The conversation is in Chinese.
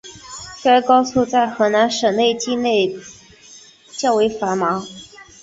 该高速在河南省境内较为繁忙。